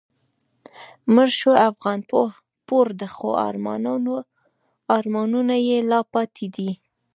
مړ شو افغانپور خو آرمانونه یې لا پاتی دي